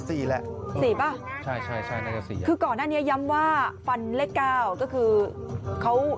สี่สิบ่ะใช่ใช่ใช่คือก่อนหน้านี้ย้ำว่าปันเลขเก้าก็คือเขา